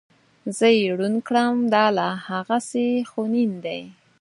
زه یې ړوند کړم دا لا هغسې خونین دی.